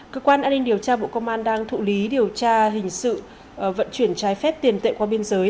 cơ quan an ninh điều tra bộ công an đang thụ lý điều tra hình sự vận chuyển trái phép tiền tệ qua biên giới